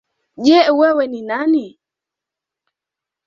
Je! Wewe ni nani?